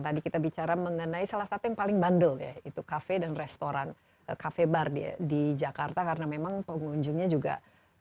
tadi kita bicara mengenai salah satu yang paling bandel ya itu kafe dan restoran kafe bar di jakarta karena memang pengunjungnya juga